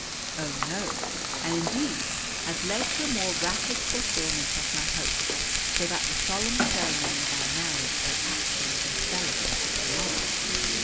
Oh, no and indeed it has led to the more rapid fulfilment of my hopes; so that the solemn ceremony of our marriage will actually be celebrated to morrow.